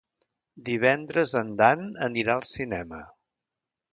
Divendres en Dan anirà al cinema.